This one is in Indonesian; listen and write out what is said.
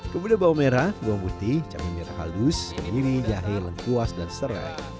kemudian bawang merah bawang putih cabai merah halus kemiri jahe lengkuas dan serai